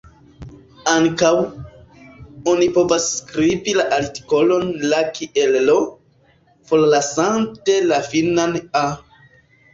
Ankaŭ, oni povas skribi la artikolon "la" kiel l’, forlasante la finan "-a".